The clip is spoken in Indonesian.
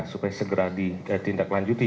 supaya segera ditindaklanjuti